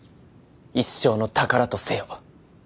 一生の宝とせよ」。